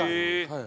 はい。